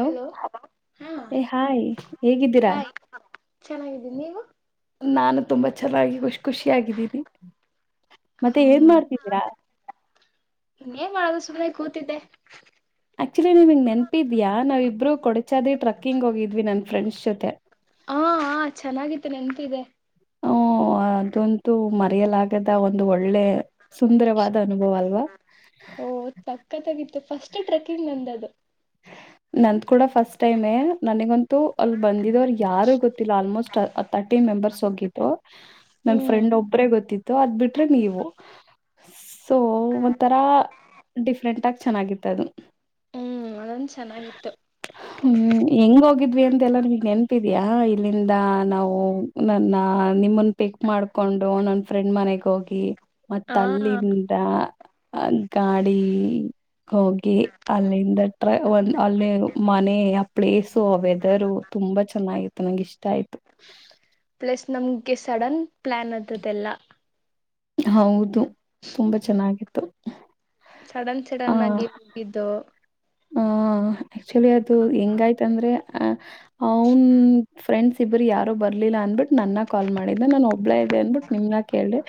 Hello hello ಹಾ ಏ hi ಹೇಗಿದ್ದೀರಾ ಹಾಯ್ ಕ್ ಚೆನ್ನಾಗಿದ್ದೀನಿ ನೀವು. ನಾನು ತುಂಬಾ ಚಲೋ ಆಗಿ ಖುಷ್ ಖುಷಿ ಆಗಿದ್ದೀನಿ ಮತ್ತೆ ಏನ್ ಹ್ಮ್ ಮಾಡ್ತಿದ್ದೀರ. ಇನ್ನೇನ್ ಮಾಡದು ಸುಮ್ಮನೆ ಕೂತಿದ್ದೆ. ಆಕ್ಚುಲಿ ನೀನಿಗ್ ನೆನಪಿದೀಯಾ ನಾವ್ ಇಬ್ರು ಕೊಡಚಾದ್ರಿ ಟ್ರಕ್ಕಿಂಗ್ ಹೋಗಿದ್ವಿ ನನ್ ಫ್ರೆಂಡ್ಸ್ ಜೊತೆ. ಆ ಆ ಚೆನ್ನಾಗಿತ್ತು ನೆನ್ಪಿದೆ. ಹ್ಮ್ ಅದಂತೂ ಮರೆಯಲಾಗ್ ದ ಒಂದು ಒಳ್ಳೆ ಸುಂದರವಾದ ಅನುಭವ ಅಲ್ವ. ಓಹ್ ತಕ್ಕತಾಗಿತ್ತು ಫಸ್ಟ್ ಟ್ರೆಕ್ಕಿಂಗ್ ನಮ್ದದು. ನಂದ್ ಕೂಡ ಫಸ್ಟ್ ಟೈಮೆ ನನಗಂತೂ ಅಲ್ಲಿ ಬಂದಿದವರು ಯಾರು ಗೊತ್ತಿಲ್ಲ ಆಲ್ಮೋಸ್ ತರ್ಟೀನ್ ಮೆಂಬರ್ಸ್ ಹೋಗಿದ್ದು ನನ್ ಫ್ರೆಂಡ್ ಒಬ್ರೇ ಗೊತ್ತಿತ್ತು ಅದ್ ಬಿಟ್ರೆ ನೀವು. ಸೊ ಒಂಥರ ಡಿಫ್ರೆಂಟ್ ಆಗ್ ಚೆನ್ನಾಗಿತ್ತದು. ಹ್ಮ್ ಅದೊಂದು ಚೆನ್ನಾಗಿತ್ತು ಹ ಹ್ಮ್ ಹೆಂಗ್ ಹೋಗಿದ್ವಿ ಅಂತೆಲ್ಲ ನಿಮಗ್ ನೆನ್ಪಿದಿಯಾ ಇಲ್ಲಿಂದ ನಾವು ನನ್ನ ನಿಮ್ಮನ್ ಪಿಕ್ ಮಾಡ್ಕೊಂಡು ನನ್ ಫ್ರೆಂಡ್ ಮನೆಗ್ ಹೋಗಿ ಮತ್ ಹಾ ಅಲ್ಲಿನ್ ಆ ಅಲ್ ಗಾಡಿಗ್ ಹೋಗಿ ಅಲ್ಲಿಂದ ಟ್ರ ಒನ್ ಅಲ್ಲಿ ಮನೆ ಆ ಪ್ಲೇಸು ಆ ವೆದರು ತುಂಬಾ ಚೆನ್ನಾಗಿತ್ತು ನಂಗ್ ಇಷ್ಟ ಆಯ್ತು ಪ್ಲಸ್ ನಮ್ಗೆ ಸಡನ್ ಪ್ಲಾನ್ ಅದ್ರುದೆಲ್ಲ. ಹೌದು ತುಂಬಾ ಚೆನ್ನಾಗಿತ್ತು ಅಹ್ ಸಡನ್ ಸಡನ್ ಆಗಿ ಹೋಗಿದ್ದು. ಹ ಆಕ್ಚುಲಿ ಅದು ಹೆಂಗಾಯ್ತಂದ್ರೆ ಆ ಅವನ್ ಫ್ರೆಂಡ್ಸ್ ಇಬ್ಬರು ಯಾರೋ ಬರ್ಲಿಲ್ಲ ಅಂದ್ಬಿಟ್ಟು ನನ್ನ ಕಾಲ್ ಮಾಡಿದ್ದ ನಾನು ಒಬ್ಬಳೇ ಇದ್ದೆ ಅಂದ್ಬಿಟ್ಟ ನಿಮ್ನ ಕೇಳಿ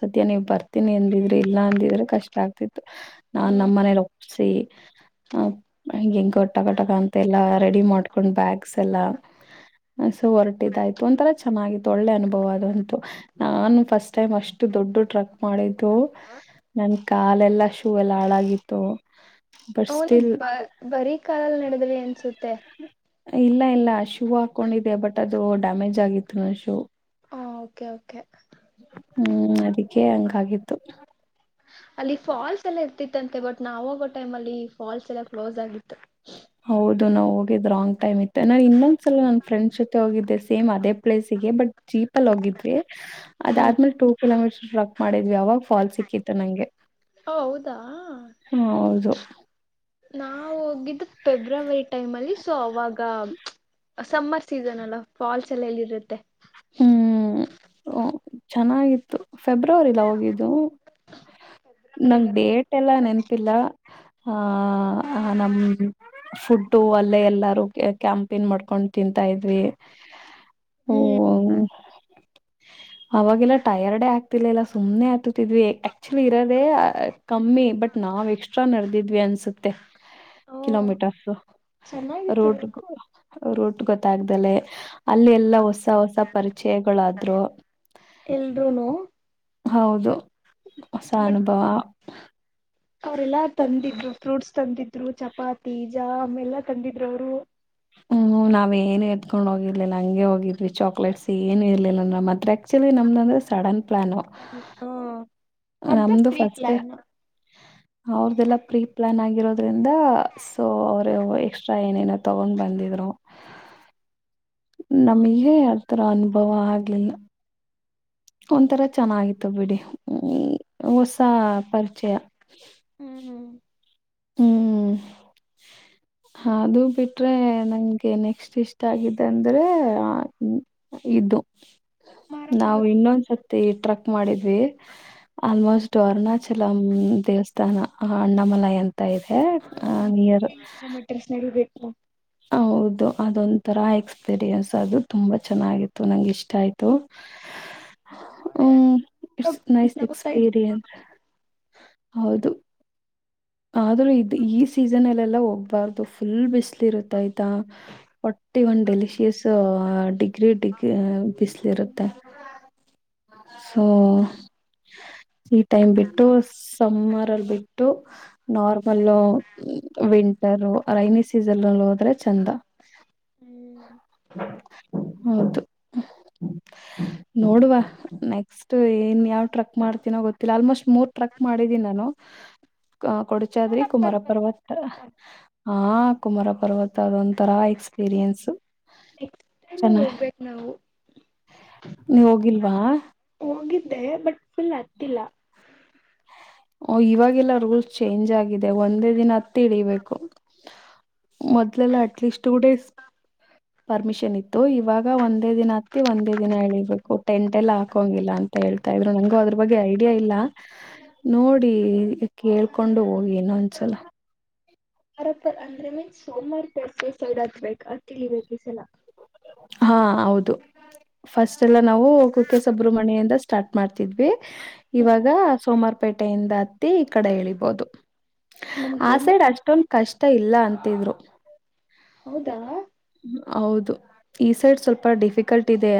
ಸದ್ಯ ನೀವ್ ಬರ್ತೀನಿ ಅಂದಿದ್ರಿ ಇಲ್ಲ ಅಂದಿದ್ರೆ ಕಷ್ಟ ಆಗ್ತಿತ್ತು. ನಾನ್ ನಮ್ಮ ಮನೇಲಿ ಒಪ್ಸಿ ಹಿಂಗ ಹೆಂಗ ಕಟ ಕಟಕ ಅಂತೆಲ್ಲಾ ರೆಡಿ ಮಾಡ್ಕೊಂಡ್ ಬ್ಯಾಗ್ಸ್ ಎಲ್ಲಾ ಸು ಹೊರಟಿದಾಯ್ತು ಒಂತರ ಚೆನ್ನಾಗಿತ್ತು ಒಳ್ಳೆ ಅನುಭವ ಅದಂತು. ನಾನು ಫಸ್ಟ್ ಟೈಮ್ ಅಷ್ಟು ದೊಡ್ಡು ಟ್ರಕ್ ಮಾಡಿದ್ದು. ನನ್ ಕಾಲೆಲ್ಲಾ ಶೂ ಎಲ್ಲ ಹಾಳಾಗಿತ್ತು ಬಸ್. ಅವನಿ ಬ ಬರೀ ಕಾಲಲ್ ನಡೆದ್ರ ಅನ್ಸುತ್ತೆ. ಇಲ್ಲ ಇಲ್ಲ ಶೂ ಹಾಕೊಂಡಿದ್ದೆ ಬಟ್ ಅದು ಡ್ಯಾಮೇಜ್ ಆಗಿತ್ತು ಅದ ಶೂ. ಹ ಓಕೆ ಓಕೆ. ಹ್ಮ್ ಅದಕ್ಕೆ ಹಂಗಾಗಿತ್ತು. ಅಲ್ಲಿ ಫಾಲ್ಸ್ ಎಲ್ಲಾ ಇರ್ತಿತ್ತಂತೆ ಬಟ್ ನಾವ ಹೋಗೋ ಟೈಮ್ ಅಲ್ಲಿ ಫಾಲ್ಸ್ ಎಲ್ಲ ಕ್ಲೋಸ್ ಆಗಿತ್ತು. ಹೌದು ನಾವು ಹೋಗಿದ್ ರಾಂಗ್ ಟೈಮ್ ಇತ್ತು ನಾನು ಇನ್ನೊಂದ್ಸಲ ನನ್ನ ಫ್ರೆಂಡ್ಸ್ ಜೊತೆ ಹೋಗಿದ್ದೆ ಸೇಮ್ ಅದೇ ಪ್ಲೇಸಿಗೆ ಬಟ್. ಜೀಪಲ್ಲಿ ಹೋಗಿದ್ವಿ. ಹ್ಮ್ ಅದಾದ್ಮೇಲೆ ಟೂ ಕಿಲೋಮೀಟರ್ ಟವಾಕ್ ಮಾಡಿದ್ವಿ ಆವಾಗ ಫಾಲ್ ಸಿಕ್ಕಿತ್ತು ನಂಗೆ. ಓ ಹೌದಾ. ಹೌದು. ನಾ ಹೋಗಿದ್ದ ಫೆಬ್ರವರಿ ಟೈಮ್ ಅಲ್ಲಿ ಸೊ ಅವಾಗ. ಸಮ್ಮರ್ ಸೀಸನ್ ಅಲ್ಲ ಫಾಲ್ಸ್ ಎಲ್ಲಿ ಇರುತ್ತೆ. ಹ್ಮ್ ಚೆನ್ನಾಗಿತ್ತು ಫೆಬ್ರವರಿಲ ಹೋಗಿದ್ದು. ನಂಗ ಡೇಟ್. ಡೇಟ್ ಎಲ್ಲಾ ನೆನಪಿಲ್ಲ ಆಹ ನಮ. ಫುಡ್ಡು ಅಲ್ಲೇ ಎಲ್ಲಾರು ಕ್ಯಾಂಪೇನ್ ಮಾಡ್ಕೊಂಡ್ ತಿಂತಾ ಇದ್ವಿ. ಓ. ಹ್ಮ್ ಅವಾಗೆಲ್ಲಾ ಟೈರ್ಡೇ ಆಗ್ತಿಲ್ಲ ಇಲ್ಲ ಸುಮ್ಮನೆ ಆತತಿದ್ವಿ ಆಕ್ಚುಲಿ ಇರೋದೆೇ. ಕಮ್ಮಿ ಬಟ್ ನಾವ್ ಎಕ್ಸ್ಟ್ರಾ ನಡೆದಿದ್ವಿ ಅನ್ಸುತ್ತೆ ಕಿಲೋಮೀಟರು. ಚೆನ್ನಾಗಿತ್ತು ರೋಡ್ ರೋಡ್ ಗೊತ್ತಾಗ್ದಲೆ ಅಲ್ಲಿ ಎಲ್ಲ ಹೊಸ ಹೊಸ. ಪರಿಚಯಗಳಾದ್ರರು. ಎಲ್ರೂನು. ಹೌದು ಹೊಸ ಅನುಭವ. ಅವ್ರೆಲ್ಲ ತಂದಿದ್ರು. ಫ್ರೂಟ್ಸ್ ತಂದಿದ್ರು ಚಪಾತಿ ಜಾಮ್ ಆಮೆಲ್ಲ ತಂದಿದ್ರು ಅವರು. ಹ್ಮ್ ನಾವ್ ಏನು ಎತ್ಕೊಂಡ್ ಹೋಗಿರ್ಲಿಲ್ಲ ಹಂಗೆ ಹೋಗಿದ್ವಿ ಚಾಕ್ಲೇಟ್ಸ್ ಏನು ಇರ್ಲಿಲ್ಲ ಅಂದ್ರ ಮಾತ್ರ. ಆಕ್ಚುಲಿ ನಮ್ದಂದು ಸಡನ್ ಪ್ಲಾನು. ಹ ಅದ ನಮ್ದು ಪ್ರೀ ಫಸ್ಟ್ ಪ್ಲಾನ್. ಅವ್ರ್ದೆಲ್ಲ ಪ್ರೀ ಪ್ಲಾನ್ ಆಗಿರೋದ್ರಿಂದ. ಸೊ ಅವರು ಎಕ್ಸ್ಟ್ರಾ ಏನೇನೋ ತಗೊಂಡ್ ಬಂದಿದ್ರು. ನಮಗೆ ಯಾವ ತರ ಅನುಭವ ಆಗ್ಲಿಲ್ಲ. ಒಂಥರ ಚೆನ್ನಾಗಿತ್ತು ಬಿಡಿ ಹೊಸ ಪರಿಚಯ. ಹ್ಮ್. ಹ ಅದು ಬಿಟ್ರೆ ನಂಗೆ ನೆಕ್ಸ್ಟ್ ಇಷ್ಟ ಆಗಿದ ಅಂದ್ರೆ. ಇದು ಮಾರ ನಾವು ಪರ್ವತ ಇನ್ನೊಂದ್ಸತಿ ಟ್ರಕ್ ಮಾಡಿದ್ವಿ. ಆಲ್ಮೋಸ್ಟ್ ಅರುಣಾಚಲಂ ದೇವಸ್ಥಾನ ಅಣ್ಣಾಮಲೈ ಅಂತ. ಆತಾ ಇದೆ ಆ ನೀಯರ್. [unintelligible] ಬೇಕು. ಹೌದು ಅದೊಂತರ ಎಕ್ಸ್. ಎಕ್ಸ್ಪೀರಿಯನ್ಸ್ ಅದು ತುಂಬಾ ಚೆನ್ನಾಗಿತ್ತು ನಂಗ ಇಷ್ಟ ಆಯ್ತು. ಹ್ಮ ಇಟ್ಸ್ ನೈಸ್ ನಗ್ತಾ ಇತ್ತು ಎಕ್ಸ್ಪೀರಿಯನ್ಸ್ ಹೌದು. ಆದ್ರೂ ಇದ ಈ ಸೀಸನ್ಲ್ಲೆಲ್ಲಾ ಹೋಗ್ಬಾರ್ದು ಫುಲ್ ಬಿಸ್ಲ ಇರುತ್ತ ಆಯ್ತಾ. ಫೋರ್ಟಿಒನ್ ಒಂದು ಡೆಲಿಶಿಯಸ್ ಡಿಗ್ರಿ ಡಿಗ್ರ ಬಿಸಿಲ ಇರುತ್ತೆ. ಸೊ. ಈ ಟೈಮ್ ಬಿಟ್ಟು ಸಮರಲ್ ಬಿಟ್ಟು ನಾರ್ಮಲ್ ವಿಂಟರು ರೈನಿ ಸೀಸನ್ಲ ಹೋದ್ರೆ ಚೆಂದಾ ಹ್ಮ್ ಹೌದು ನೋಡ್ ವ ನೆಕ್ಸ್ಟ್ ಅ ಇನ್ ಯಾವ್ ಟ್ರಕ್ ಮಾಡ್ತೀನೋ ಗೊತ್ತಿಲ್ಲ ಆಲ್ಮೋಸ್ಟ್ ಮೂರ್ ಟ್ರಕ್ ಮಾಡಿದೀನಿ ನಾನು ಅ ಕೊಡಚಾದ್ರಿ ಕುಮಾರ ಪರ್ವತ ಹ ಕುಮಾರ ಪರ್ವತ ಅದೊಂಂತರಾ ಎಕ್ಸ್ಪೀರಿಯೆನ್ಸ್ ನೆಕ್ಸ್ಟ್ ಟೈಮು ಚೆನ್ನ ಹೋಗ್ಬೇಕ್ ನಾವು ನೀವ ಹೋಗಿಲ್ವಾ ಹೋಗಿದ್ದೆ ಬಟ್ ಫುಲ್ ಹತ್ತಿಲ್ಲಾ ಓ ಇವಾಗೆಲ್ಲಾ ರೂಲ್ಸ್ ಚೇಂಜ್ ಆಗಿದೆ ಒಂದೇ ದಿನ ಹತ್ತ ಇಳೀಬೇಕು ಮೊದಲೆಲ್ಲ ಅಟ್ಲೀಸ್ಟ್ ಟು ಡೇಸ್ ಪರ್ಮಿಷನ್ ಇತ್ತು ಇವಾಗ ಒಂದೇ ದಿನ ಹತ್ತಿ ಒಂದೇ ದಿನ ಹೇಳಿಬೇಕು ಟೆಂಟ್ ಎಲ್ಲ ಹಾಕಂಗಿಲ್ಲ ಅಂತ ಹೇಳ್ತಾ ಇದ್ರು ನಂಗು ಅದ್ರ ಬಗ್ಗೆ ಐಡಿಯಾ ಇಲ್ಲಾ ನೋಡಿ ಕೇಳ್ಕೊಂಡು ಹೋಗಿ ಇನೋಂದ ಸಲಾ ರ್ ಅಂದ್ರೆ ಮಿನ್ಸ ಸೋಮವಾರ ಪರ್ಸ್ ಸೈಡ್ ಹತ್ಬೇಕು ಅ ಕಲಿ ಬ ಈ ಸಲ ಹಾ ಹೌದು ಫಸ್ಟ್ ಎಲ್ಲಾ ನಾವು ಕುಕ್ಕೆ ಸುಬ್ರಮಣ್ಯಿಂದ ಸ್ಟಾರ್ಟ್ ಮಾಡ್ತಿದ್ವಿ ಇವಾಗ ಸೋಮಾರಪೇಟೆಯಿಂದ ಹತ್ತಿ ಈ ಕಡೆ ಇಳಿಬಹುದು ಬಟ್ ನಮ್ಗೇನ್ ಆಸೈಡ್ ಅಷ್ಟೊಂದು ಕಷ್ಟ ಇಲ್ಲ ಅಂತಿದ್ರು ಹೌದಾ ಹೌದು ಈ ಸೈಡ್ ಸ್ವಲ್ಪ ಡಿಫಿಕಲ್ಟ್ ಇದೆ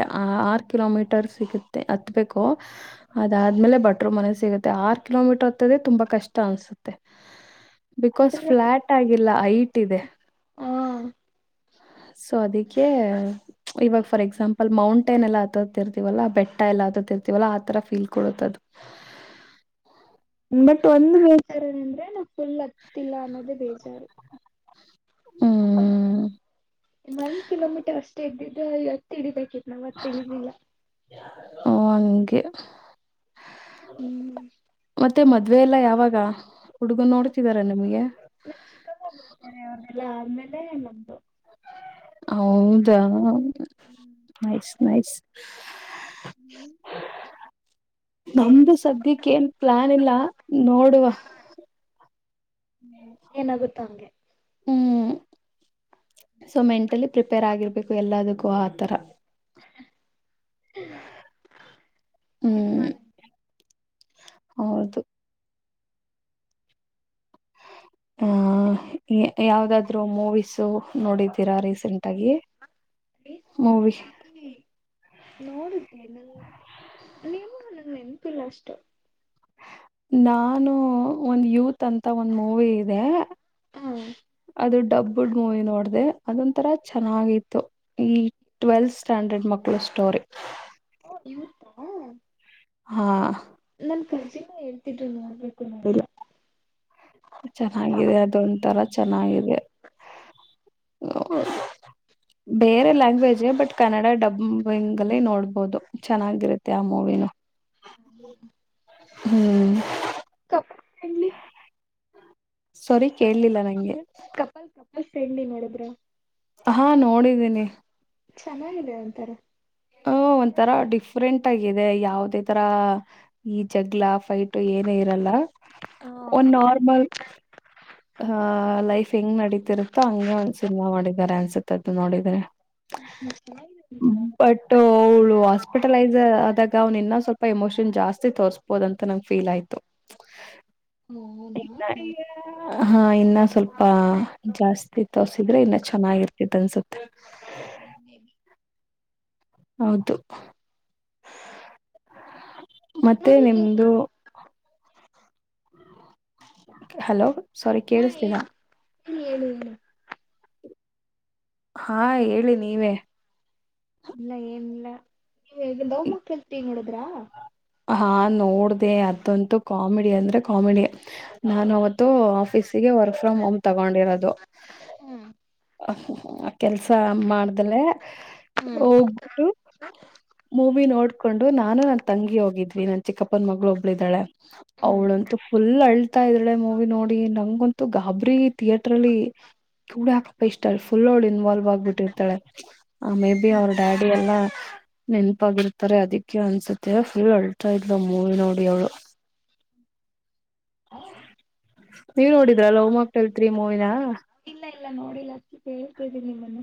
ಆರ್ ಕಿಲೋಮೀಟರ್ ಸಿಗುತ್ತೆ ಹತ್ಬೇಕು ಅದಾದ್ಮೇಲೆ ಬಟ್ರ ಮನೆ ಸಿಗುತ್ತೆ ಆರು ಕಿಲೋಮೀಟರ್ ಹತ್ತದ ತುಂಬಾ ಕಷ್ಟಾ ಅನ್ಸುತ್ತೆ ಬಿಕಾಸ್ ಅಂದ್ರೆ ಫ್ಲಾಟ್ ಆಗಿಲ್ಲ ಹೈಟ್ ಇದೆ ಹಾ ಸೊ ಅದಕ್ಕೆ ಇವಾಗ ಫಾರ್ ಎಕ್ಸಾಂಪಲ್ ಮೌಂಟೈನ್ ಎಲ್ಲ ಆ ಹತ್ತತಿರ್ತವಲ್ಲ ವಲ್ಲಾ ಬೆಟ್ಟ ಎಲ್ಲಾ ಹತರ್ತಿವಲ್ಲ ಆ ತರ ಫೀಲ್ ಕೊಡತದು ಬಟ್ ಒಂದ ಬೇಜಾರ ಅಂದ್ರೆ ನಾ ಫುಲ್ ಹತ್ತಿಲ್ಲ ಅನ್ನೋದೇ ಬೇಜಾರು ಹ್ಮ್ ಇನ್ನೊಂದು ಕಿಲೋಮೀಟರ್ ಅಷ್ಟೇ ಇದ್ದಿದ್ದು ಎತ್ತ ಹಿಡಿಬೇಕಿತ್ತು ನಾ ಮತ್ ಇಳಿಲ್ಲಿಲ್ಲಾ ಹ ಅಂಗೆ ಹ್ಮ್ ಮತ್ತೆ ಮದವೆ ಎಲ್ಲಾ ಯಾವಾಗ ಹುಡುಗನ್ ನೋಡ್ತಿದಾರ ನಿಮ್ಗೆ. ನ ಚಿಕ್ಕಮ್ಮ ಒಬ್ಬರು ಇದ್ದಾರೆ ಅವರನ್ನೆಲ್ಲ ಆದಮೇಲೆ ನಂದು ಹೌದಾ. ಹ್ಮ್. Nice nice. ಹ್ಮ್. ನಮ್ದು ಸದ್ಯಕ್ಕೆ ಏನ್ ಪ್ಲಾನ್ ಇಲ್ಲ ನೋಡುವ. ಹ್ಮ್ ಏನಾಗುತ್ತೋ ಹಂಗೆ. ಹ್ಮ್ ಸೊ ಮೆಂಟಲಿ ಪ್ರಿಪೇರ್ ಆಗಿರ್ಬೇಕು ಎಲ್ಲದಕ್ಕೂ ಆತರಾ ಹ್ಮ್ ಮಾಡ ಹೌದು ಆಹ ಮಾಡಂಗಿಲ್ಲ ಯಾವದಾದ್ರು ಮೂವೀಸು ನೋಡಿದ್ದೀರಾ ರೀಸೆಂಟ್ ಆಗಿ ಮೂವಿ ನೋಡಿದೆ ನನ್ ನಿಮ್ಮ ನನ್ ನೆನಪಿಲ್ಲ ಅಷ್ಟು ನಾನು ಒಂದ್ ಯೂತ್ ಅಂತ ಒಂದ್ ಮೂವಿ ಇದೆ ಹ ಅದು ಡಬ್ಬುಡ್ ಮೂವಿ ನೋಡ್ದ ಅದೊಂಂತರ ಚೆನ್ನಾಗಿತ್ತು ಈ ಟ್ವೆಲ್ತ್ ಸ್ಟ್ಯಾಂಡರ್ಡ್ ಮಕ್ಕಳ ಸ್ಟೋರಿ ಯುವತ ಹಾ ಹಾ ನನ್ ಕರ್ಜಿನಾ ಹೇಳ್ತಿದ್ರಿ ನೋಡ್ಬೇಕು ನೋಡಿಲ್ಲ ಚೆನ್ನಾಗಿದೆ ಅದೊಂ ತರ ಚೆನ್ನಾಗಿದೆ ಬೇರೆ ಲ್ಯಾಂಗ್ವೇಜ್ ಬಟ್ ಕನ್ನಡ ಡಬ್ಬಿಂಗ್ ಅಲ್ಲಿ ನೋಡ್ಬೋುದು ಚೆನ್ನಾಗಿರುತ್ತೆ ಆ ಮೂವಿನು ಹೂ ಹೂ ಕಪ್ಪಿ ಸೋರಿ ಕೇೇಳಲಿಲ್ಲ ನಂಗೆ ಕಪಲ್ ಕ ಹ ಸಣ್ಣಿ ನೋಡಿದ್ರ ಹಾ ನೋಡಿದ್ದೀನಿ ಚೆನ್ನಾಗಿದೆ ಒಂತಾರೆ ಹ ಒಂಥರಾ ಡಿಫ್ರೆಂಟ್ ಆಗಿದೆ ಯಾವುದೇ ತರ ಈ ಜಗ್ಲಾ ಫೈಟ್ ಏನ ಇರಲ್ಲ ಹಾ ಒಂದ ನಾರ್ಮಲ್ ಆಹ ಲೈಫ್ ಹೆಂಗ್ ನಡೀತಿರುತ್ತೋ ಹಂಗೆ ಒಂದ್ ಸಿನಿಮಾ ಮಾಡಿದ್ದಾರೆ ಅನ್ಸುತ್ತದು ನೋಡಿದ್ರೆ ಹ ಟೋಲ್ ಹಾಸ್ಪಿಟಲೈಸ್ ಆದಾಗ ಅವ್ನ್ ಇನ್ನ ಸ್ವಲ್ಪ ಎಮೋಷನ್ ಜಾಸ್ತಿ ತೋರ್ಬೋದ ಅಂತ ನಂಗ ಫೀಲ್ ಆಯ್ತು [inaudible] [inaudible] ಹೂ ನಾ ಹೂ ಹಾ ಇನ್ನ ಸ್ವಲ್ಪ ಜಾಸ್ತಿ ತೋಸಿದ್ರೆ ಇನ್ನ ಚೆನ್ನಾಗಿರುತ್ತಿತ್ತು ಅನ್ಸುತ್ತೆ ಹೂ ಹೌದು ಮತ್ತೆ ಇನ್ನೊಂದು ನಿಮ್ದು ಹಲೋ ಸಾರಿ ಕೇಳಿಸ್ಲೀಲಾ ಹೇಳು ಹೇಳು ಹಾ ಹೇಳಿ ನೀವೇ ಇಲ್ಲ ಏನಿಲ್ಲ ಏ ಲವ್ ಮ್ಯಾಕ್ಟೈಲ್ ತ್ರಿ ನೋಡುದ್ರಾ ಹಾ ನೋಡ್ದ ಅದಂತೂ ಕಾಮಿಡಿ ಅಂದ್ರೆ ಕಾಮಿಡಿ ನಾನು ಅವತ್ ಆಫೀಸಗೆ ವರ್ಕ್ ಫ್ರಮ್ ಹೋಮ್ ತಗೊಂಡಿರೋದು ಹ್ಮ್ ಕೆಲ್ಸ ಮಾಡ್ದಲೆ ಹ್ಮ್ ಹೋಗ್ಬಿಟ್ಟು ಮೂವಿ ನೋಡ್ಕೊಂಡು ನಾನು ನನ್ ತಂಗಿ ಹೋಗಿದ್ವಿ ನನ್ ಚಿಕ್ಕಪ್ಪನ ಮಗಳು ಒಬ್ಳಿದಾಳೆ ಹ್ಮ್ ಅವಳಂತೂ ಫುಲ್ ಅಳ್ತಾ ಇದ್ರಳೆ ಮೂವಿ ನೋಡಿ ನಂಗಂತೂ ಗಾಬರಿ ಥಿಯೇಟ್ರಲ್ಲಿ ಕೂಡ ಹಾಕ್ ಇಷ್ಟ ಅಲ್ ಫುಲ್ ಅವಳ ಇನ್ಲ್ವ ಆಗ್ಬಿಟ್ಟಿರ್ತಳ ಆ ಮೇ ಬಿ ಅವ್ರ ಹ್ಮ್ ಡ್ಯಾಡಿ ಎಲ್ಲಾ ನೆನಪಾಗಿರ್ತಾರೆ ಅದಿಕ್ಕೆ ಅನ್ಸುತ್ತೆ ಅಳ್ತಾ ಇದ್ವ ಮೂವಿ ನೋಡಿ ಅವಳು ಹ [unintelligible] ನೀವ್ ನೋಡಿದ್ರ ಲವ್ ಮಾಕ್ಟೇಲ್ ತ್ರಿ ಮೂವಿನ ಇಲ್ಲ ಇಲ್ಲ ನೋಡಿಲ್ಲಷ್ಟಿ ಕೇಳ್ತಿದೀನಿ ನಿಮ್ಮನ್ನು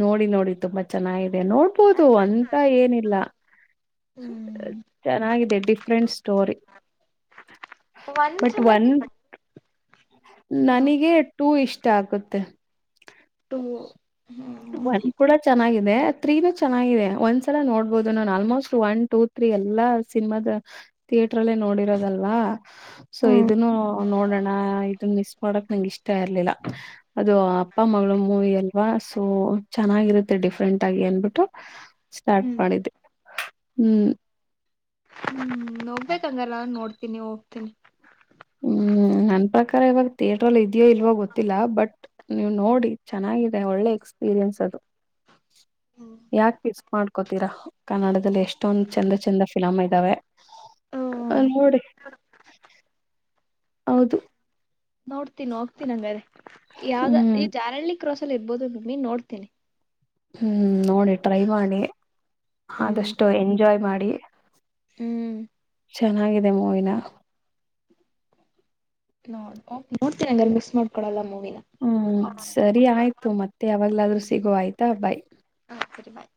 ನೋಡಿ ನೋಡಿ ತುಂಬಾ ಚೆನ್ನಾಗಿದೆ ನೋಡ್ಬೋದು ಅಂತ ಏನಿಲ್ಲ ಹ್ಮ್ ಚೆನ್ನಾಗಿದೆ ಡಿಫ್ರೆಂಟ್ ಸ್ಟೋರಿ. ಒಂದ್ ಬಟ್ ಒನ್ ಚೆನ್ನಾಗಿತ್ತು. ನನಗೆ ಟೂ ಇಷ್ಟ ಆಗುತ್ತೆ. ಟೂ. ಒನ್ ಕೂಡ ಚೆನ್ನಾಗಿದೆ ತ್ರೀನು ಚೆನ್ನಾಗಿದೆ ಒಂದ್ಸಲ ನೋಡ್ಬಹುದು ನಾನು ಆಲ್ಮೋಸ್ಟ್ ಒನ್ ಟು. ತ್ರೀ ಎಲ್ಲಾ ಸಿನಿಮಾದ ಥಿಯೇಟ್ರಲ್ಲೇ ನೋಡಿರೋದಲ್ವಾ. ಸೊ ಹ್ಮ್ ಇದನ್ನು ನೋಡೋಣ ಇದನ್ ಮಿಸ್ ಮಾಡಕ್ ನಂಗ ಇಷ್ಟ ಇರ್ಲಿಲ್ಲ. ಅದು ಅಪ್ಪ ಮಗಳು ಮೂವಿ ಅಲ್ವಾ ಸೊ ಚೆನ್ನಾಗಿರುತ್ತೆ ಡಿಫ್ರೆಂಟ್ ಆಗಿ ಅನ್ಬಿಟ್ಟು. ಸ್ಟಾರ್ಟ್ ಮಾಡಿದ್ದೆ ಹ್ಮ್. ಹ್ಮ್ ನೋಗ್ಬೇಕಂದಲ್ಲ ನ ನೋಡ್ತನಿ ಹೋಗ್ತೀನಿ. ಹ್ಮ್ ನನ್ ಪ್ರಕಾರ ಇವಾಗ ಥಿಯೇಟ್ರಲ್ ಇದ್ಯೋ ಇಲ್ಲವೋ ಗೊತ್ತಿಲ್ಲ ಬಟ್. ನೀವು ನೋಡಿ ಚೆನ್ನಾಗಿದೆ ಒಳ್ಳೆ ಎಕ್ಸ್ಪೀರಿಯನ್ಸ್ ಅದು. ಯಾಕ ಮಿಸ್ ಮಾಡ್ಕೋತೀರಾ. ಕನ್ನಡದಲ್ಲಿ ಎಷ್ಟೊಂದ್ ಚಂದ ಚಂದ ಫಿಲಮ ಇದಾವೆ ಅವ್ನ ನೋಡಿ. ಹೌದು. ನೋಡ್ತೀನಿ ಹೋಗ್ತೀನಿ ನಂಗ ಅದೇ ಯಾವ್ದ ಹ್ಮ್ ಈ ಜಾರಹಳ್ಳಿ ಕ್ರಾಸ್ ಅಲ್ಲಿ ಇರ್ಬೋದು ಮೇಬಿ ನೋಡ್ತೀನಿ. ಹ್ಮ್ ನೋಡಿ ಟ್ರೈ ಮಾಡಿ ಹ್ಮ್ ಆದಷ್ಟು ಎಂಜಾಯ್ ಮಾಡಿ. ಹ್ಮ್. ಚೆನ್ನಾಗಿದೆ ಮೋವಿನ. ನೋಡಕೊ ನೋಡ್ತೀನ ಹಂಗರೆ ಮಿಕ್ಸ್ ಮಾಡ್ಕೊಡಲ್ಲ ಮೂವಿನ. ಹ್ಮ್ ಸರಿ ಆಯ್ತು ಮತ್ತೆ ಯಾವಾಗ್ಲಾದ್ರೂ ಸಿಗೋವ ಆಯ್ತಾ ಬಾಯ್. ಹಾ ಸರಿ ಬಾಯ್.